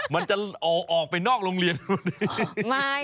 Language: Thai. มันจะออกไปนอกโรงเรียนมาด้วย